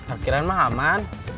akhirnya emang aman